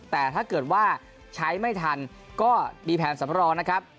แต่ถ้าเกิดว่าใช้ไม่ทันก็มีแผนสำรองนะครับ